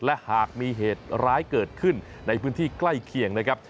และหากมีเหตุร้ายเกิดขึ้นในพื้นที่ใกล้เคียงนะครับ